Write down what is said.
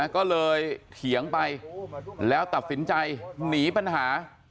ก็เลยเถียงไปแล้วตัดสินใจหนีปัญหา